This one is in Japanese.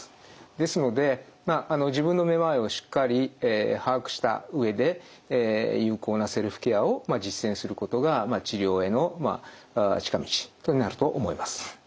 ですので自分のめまいをしっかり把握した上で有効なセルフケアを実践することが治療への近道となると思います。